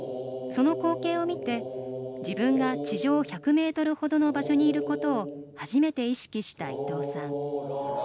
その光景を見て自分が地上１００ｍほどの場所にいることを初めて意識した伊藤さん。